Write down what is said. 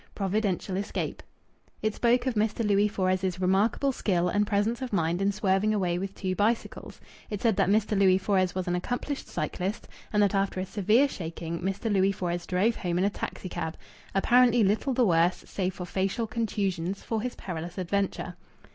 Providential Escape." It spoke of Mr. Louis Fores' remarkable skill and presence of mind in swerving away with two bicycles. It said that Mr. Louis Fores was an accomplished cyclist, and that after a severe shaking Mr. Louis Fores drove home in a taxicab "apparently little the worse, save for facial contusions, for his perilous adventure."